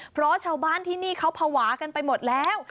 เพราะชาวบ้านที่นี่เขาภาวะกันไปหมดแล้ว